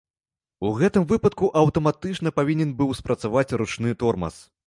У гэтым выпадку аўтаматычна павінен быў спрацаваць ручны тормаз.